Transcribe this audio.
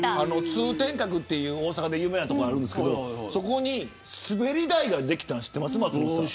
通天閣という大阪で有名な所があるんですがそこに滑り台が出来たの知ってます、松本さん。